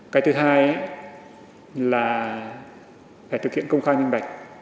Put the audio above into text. cái thứ hai là phải thực hiện công khai minh bạch